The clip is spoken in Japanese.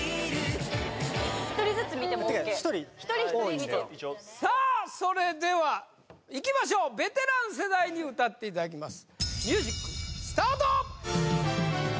１人ずつ見てもＯＫてか１人多いんだよさあそれではいきましょうベテラン世代に歌っていただきます